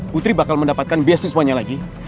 putri bakal mendapatkan beasiswanya lagi